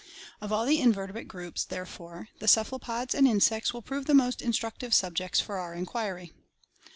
Of all the invertebrate groups, therefore, the cephalopods and insects will prove the most in structive subjects for our inquiry.